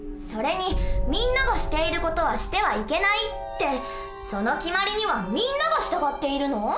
それに「みんながしている事はしてはいけない」ってその決まりにはみんなが従っているの？